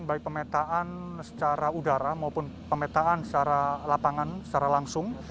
baik pemetaan secara udara maupun pemetaan secara lapangan secara langsung